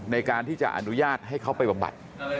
ในการที่จะอนุญาตให้เขาไปบำบัด